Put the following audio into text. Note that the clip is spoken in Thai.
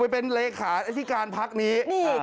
เป็นเลขาอธิการพักนี้